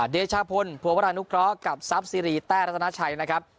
เดชาพลภัวรานุเคราะห์กับทรัพย์ซีรีแต้รัตนาชัยนะครับ